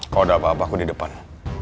kalo udah apa apa aku di depan